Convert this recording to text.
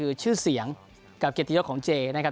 คือชื่อเสียงกับเกียรติยศของเจนะครับ